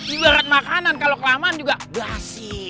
ibarat makanan kalau kelamaan juga gasing